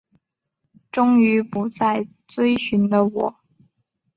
终于不再追寻的我